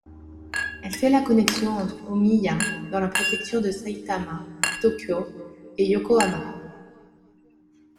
Elle fait la connexion entre Ōmiya dans la préfecture de Saitama, Tokyo et Yokohama.